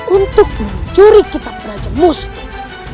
untuk mencuri kita penaja musgrim